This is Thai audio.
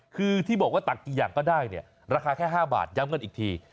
คือที่บอกว่าตักกี่อย่างก็ได้เนี่ยราคาแค่๕บาทย้ำกันอีกที